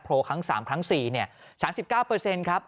ครั้ง๓ครั้ง๔เนี่ย๓๙ครับ